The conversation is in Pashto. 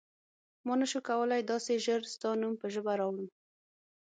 ما نه شو کولای داسې ژر ستا نوم په ژبه راوړم.